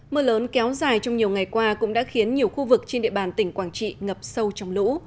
mưa lớn kéo dài trong nhiều ngày qua cũng đã khiến nhiều khu vực trên địa bàn tỉnh quảng trị ngập sâu trong lũ